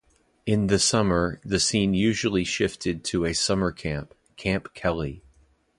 In the summer, the scene usually shifted to a summer camp, Kamp Kelly.